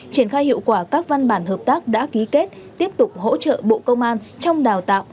triển khai hiệu quả các văn bản hợp tác đã ký kết tiếp tục hỗ trợ bộ công an trong đào tạo